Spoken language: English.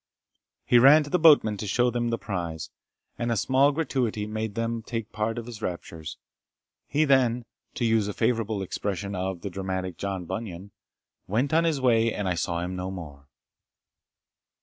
He ran to the boatmen to show them the prize, and a small gratuity made them take part in his raptures. He then, to use a favourite expression of the dramatic John Bunyan, "went on his way, and I saw him no more."